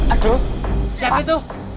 aduh siapa itu